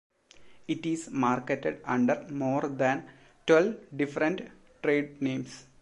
It is marketed under more than twelve different trade names.